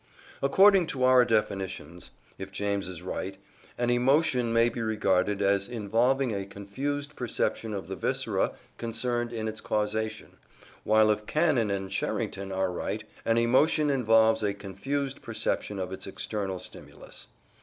According to our definitions, if James is right, an emotion may be regarded as involving a confused perception of the viscera concerned in its causation, while if Cannon and Sherrington are right, an emotion involves a confused perception of its external stimulus.